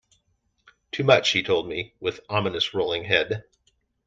Too much, he told me, with ominous rolling head.